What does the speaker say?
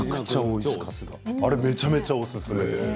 あれめちゃめちゃおすすめ。